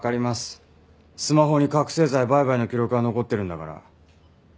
スマホに覚醒剤売買の記録が残ってるんだから。